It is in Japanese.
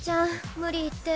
無理言って。